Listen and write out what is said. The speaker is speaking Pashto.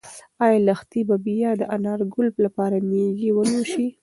ایا لښتې به بیا د انارګل لپاره مېږې ولوشي؟